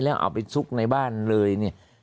แล้วเอาไปซุกในบ้านเลยเนี่ย